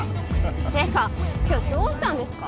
ってか今日どうしたんですか？